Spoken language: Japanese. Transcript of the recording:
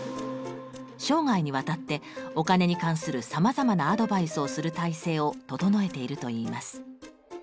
生涯にわたってお金に関するさまざまなアドバイスをする体制を整えているといいます。